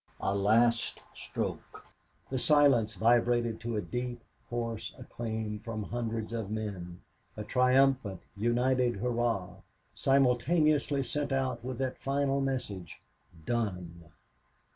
A last stroke! The silence vibrated to a deep, hoarse acclaim from hundreds of men a triumphant, united hurrah, simultaneously sent out with that final message, "Done!"